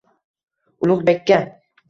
Ulug’bekka